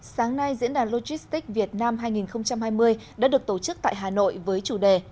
sáng nay diễn đàn logistics việt nam hai nghìn hai mươi đã được tổ chức tại hà nội với chủ đề